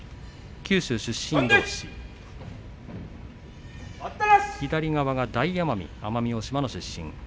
九州出身どうし、左側は大奄美奄美大島の出身です。